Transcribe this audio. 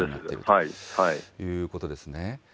そういうことですね。